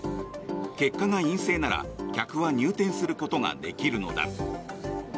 結果が陰性なら客は入店することができるのだ。